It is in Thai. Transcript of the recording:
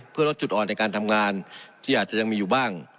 เพื่อลดจุดอ่อนในการทำงานที่อาจจะยังมีอยู่บ้าง